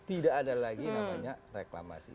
tidak ada lagi reklamasi